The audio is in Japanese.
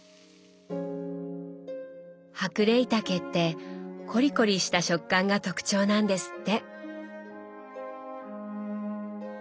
ハクレイタケってコリコリした食感が特徴なんですって。